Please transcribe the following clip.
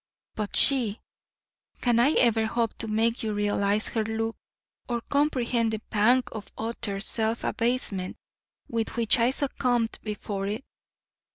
But she! Can I ever hope to make you realise her look, or comprehend the pang of utter self abasement with which I succumbed before it?